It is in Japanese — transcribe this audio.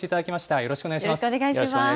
よろしくお願いします。